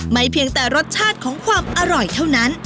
เพียงแต่รสชาติของความอร่อยเท่านั้น